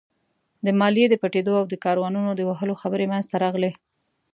د ماليې د پټېدو او د کاروانونو د وهلو خبرې مينځته راغلې.